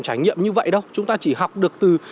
trải nghiệm như vậy đâu chúng ta chỉ học được từ